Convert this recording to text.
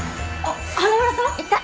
花村さん？